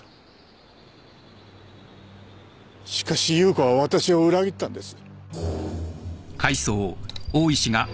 しかし夕子はわたしを裏切ったんです。